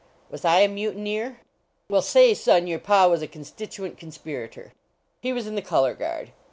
Was I a mutineer? Well, say, son, your Pa was a constituent conspirator. He was in the color guard.